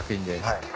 はい。